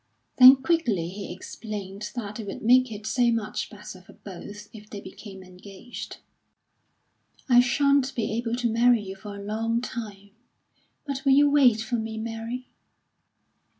Then quickly he explained that it would make it so much better for both if they became engaged. "I shan't be able to marry you for a long time; but will you wait for me, Mary?"